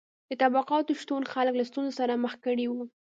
د طبقاتو شتون خلک له ستونزو سره مخ کړي وو.